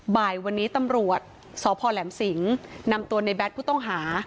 บ่ายวันนี้ตำรวจสพแหลมสิงนำตัวในแบทผู้ต้องหา